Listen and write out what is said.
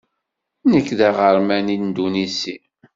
Nekk d aɣerman indunisi.